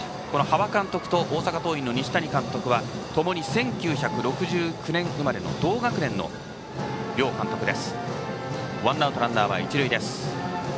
端場監督と大阪桐蔭の西谷監督はともに１９６９年生まれの同学年の両監督です。